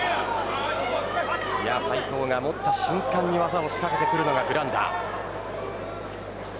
斉藤が持った瞬間に技を仕掛けてくるのがグランダです。